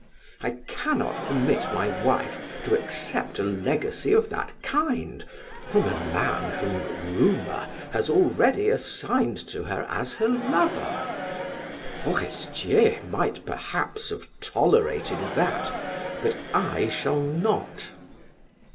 I cannot permit my wife to accept a legacy of that kind from a man whom rumor has already assigned to her as her lover. Forestier might perhaps have tolerated that, but I shall not."